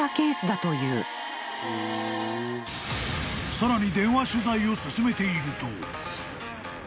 ［さらに］